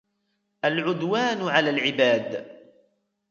الْعُدْوَانُ عَلَى الْعِبَادِ